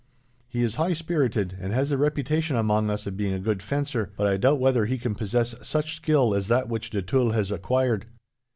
He is high spirited, and has the reputation among us of being a good fencer, but I doubt whether he can possess such skill as that which de Tulle has acquired.